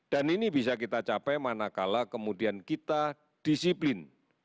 dan ini bisa kita capai manakala kemudian kita disiplin